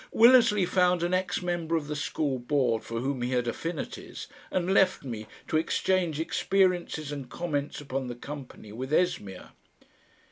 Willersley found an ex member of the School Board for whom he had affinities, and left me to exchange experiences and comments upon the company with Esmeer.